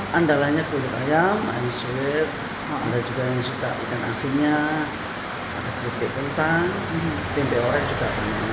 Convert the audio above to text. kandalanya kulit ayam ayam sweet ada juga yang suka ikan asinnya ada krim kek kentang pimpin orang juga banyak yang suka